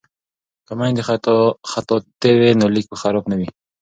که میندې خطاطې وي نو لیک به خراب نه وي.